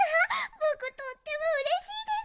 ぼくとってもうれしいです！